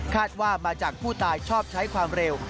ว่ามาจากผู้ตายชอบใช้ความเร็ว